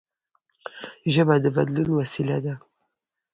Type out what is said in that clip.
ژبه د بدلون وسیله ده.